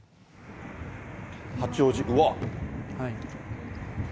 八王子、うわー。